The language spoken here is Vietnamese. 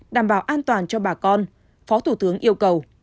đảm bảo an toàn cho bà con phó thủ tướng yêu cầu